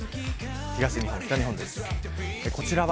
東日本、北日本です。